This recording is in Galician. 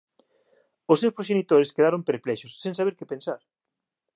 Os seus proxenitores quedaron perplexos, sen saber que pensar.